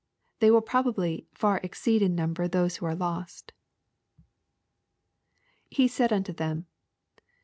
They will probably far exceed in number those who are lost [He said unto them.